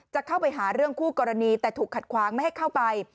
จะเข้าไปหาเรื่องคู่กรณีแต่ถูกขัดขวางไม่ให้เข้าไป